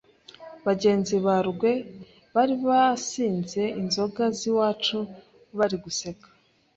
bagenzi ba Rugwe bari basinze inzoga z’iwacu bari guseka